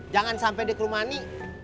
jangan sampai dikrumani